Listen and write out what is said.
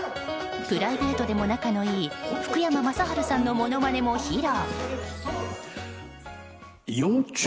プライベートでも仲のいい福山雅治さんのものまねも披露。